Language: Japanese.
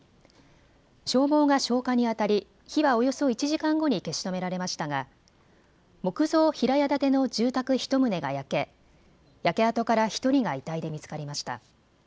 消防が消火にあたり火はおよそ１時間後に消し止められましたが木造平屋建ての住宅１棟が焼け焼け跡から１人が遺体で見つかりました。